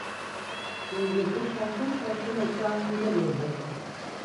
Gözlerini şaşkın şaşkın etrafında gezdirdi.